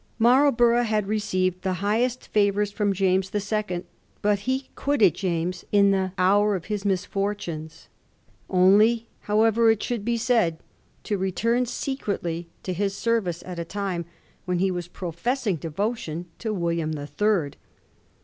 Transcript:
Marlborough had received the highest favours from James the Second, but he quitted James in the hour of his misfortunes, only, however, it should be said, to return secretly to his service at a time when he was professing devotion to William the Third.